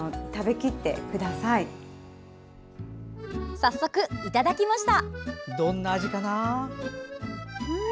早速、いただきました。